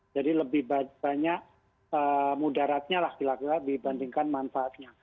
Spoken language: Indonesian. jadi lebih banyak mudaratnya lah bila bila dibandingkan manfaatnya